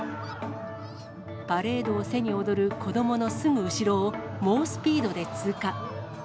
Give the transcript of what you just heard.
パレードを背に踊る子どものすぐ後ろを猛スピードで通過。